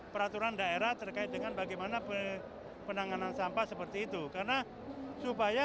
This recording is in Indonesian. peraturan daerah terkait dengan bagaimana penanganan sampah seperti itu karena supaya